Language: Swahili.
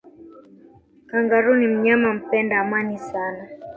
kangaroo ni mnyama mpenda amani sana